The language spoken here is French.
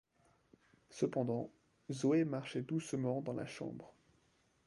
Cependant, Zoé marchait doucement dans la chambre.